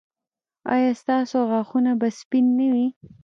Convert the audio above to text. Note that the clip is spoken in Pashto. ایا ستاسو غاښونه به سپین نه وي؟